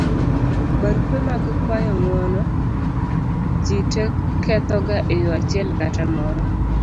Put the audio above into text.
barupe mag kuayo ng'uono; jite kethoga e yo achiel kata moro